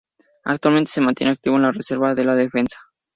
Actualmente se mantiene activo en la reserva de la defensa.